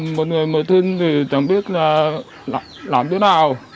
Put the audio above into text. một người mời thân chẳng biết làm thế nào